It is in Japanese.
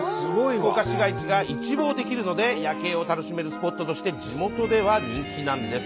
福岡市街地が一望できるので夜景を楽しめるスポットとして地元では人気なんです。